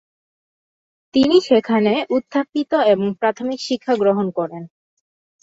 তিনি সেখানে উত্থাপিত এবং প্রাথমিক শিক্ষা গ্রহণ করেন।